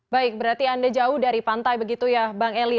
baik berarti anda jauh dari pantai begitu ya bang eli